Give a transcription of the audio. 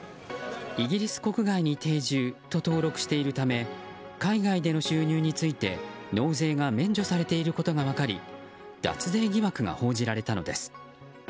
イギリス国外に定住と登録しているため海外での収入について納税が免除されていることが分かり脱税疑惑が報じられたのです。